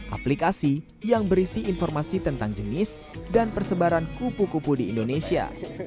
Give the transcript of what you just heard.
aplikasi yang berisi informasi tentang jenis dan persebaran kupu kupu di indonesia